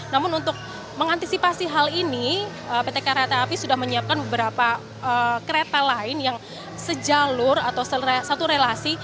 namun untuk mengantisipasi hal ini pt kereta api sudah menyiapkan beberapa kereta lain yang sejalur atau satu relasi